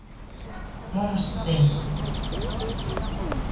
Мом ыштем?..